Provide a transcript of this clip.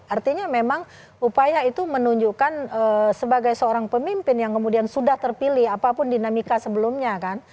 artinya memang upaya itu menunjukkan sebagai seorang pemimpin yang kemudian sudah terpilih apapun dinamika sebelumnya kan